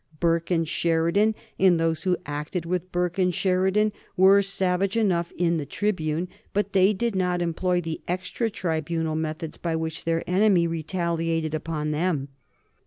Burke and Sheridan, and those who acted with Burke and Sheridan, were savage enough in the tribune, but they did not employ the extra tribunal methods by which their enemy retaliated upon them.